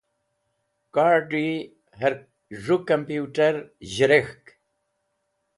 Kard̃i hẽr z̃hũ kampuwt̃er zhẽrek̃hk